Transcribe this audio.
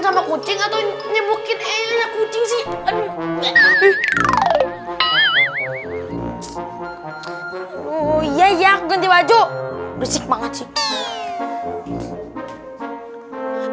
sama kucing atau nyembukin kucing sih aduh iya iya ganti baju resik banget sih